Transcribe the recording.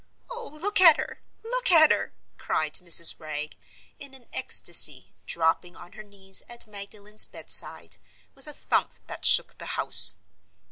"Oh, look at her! look at her!" cried Mrs. Wragge, in an ecstasy, dropping on her knees at Magdalen's bedside, with a thump that shook the house.